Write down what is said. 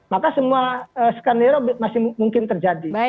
maka semua skenario masih mungkin terjadi